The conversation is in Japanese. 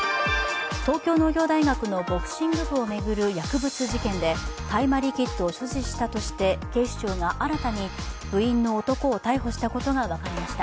東京農業大学のボクシング部を巡る薬物事件で大麻リキッドを所持したとして、警視庁が新たに部員の男を逮捕したことが分かりました。